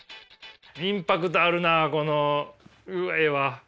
インパクトあるなこの絵は。